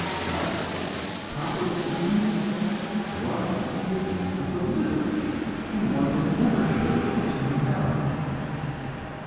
But, properly speaking, love is a disease of the liver, and one is never sure of not catching the malady."